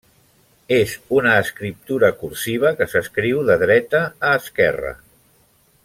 És una escriptura cursiva, que s'escriu de dreta a esquerra.